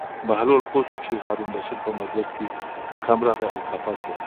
بهلول پوه شو چې هارون الرشید په مجلس کې کم راغی او خپه شو.